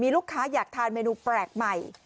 ลูกค้าอยากทานเมนูแปลกใหม่